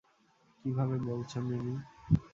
কীভাবে বলছো, মিমি?